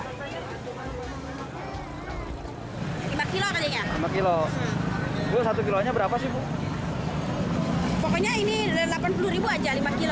kecil kecil oh satu kilonya berapa sih pokoknya ini dari delapan puluh aja lima kilo